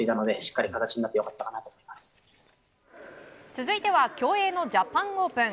続いては競泳のジャパンオープン。